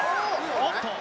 おっと！